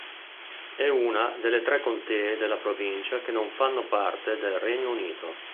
È una delle tre contee della provincia che non fanno parte del Regno Unito.